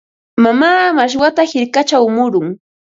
Mamaa mashwata hirkachaw murun.